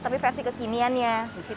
tapi versi kekimiannya